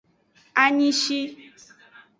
Anyishi.